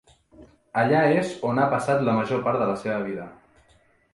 Allà és on ha passat la major part de la seva vida.